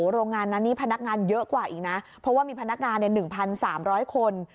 โรงงานนั้นนี่พนักงานเยอะกว่าอีกนะเพราะว่ามีพนักงาน๑๓๐๐คน